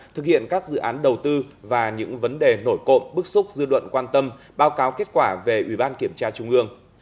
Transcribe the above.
thực hiện các dự án đầu tư và những vấn đề nổi cộng bức xúc dư luận quan tâm báo cáo kết quả về ủy ban kiểm tra trung ương